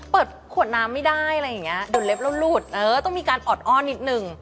เปิดขวดน้ำไม่ได้อะไรอย่างนี้ดูดเล็บเราหลุดต้องมีการออดอ้อนนิดนึง